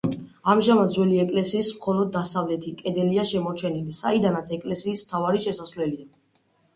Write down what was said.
ამჟამად ძველი ეკლესიის მხოლოდ დასავლეთი კედელია შემორჩენილი, საიდანაც ეკლესიის მთავარი შესასვლელია.